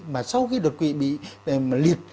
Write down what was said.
mà sau khi đột quỵ bị liệt